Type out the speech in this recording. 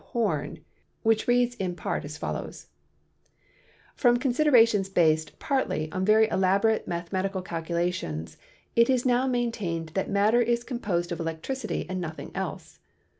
Home which reads in part as follows: "From considerations based (partly) on very elaborate mathematical calculations it is now maintained that mat ter is composed of electricity and nothing else.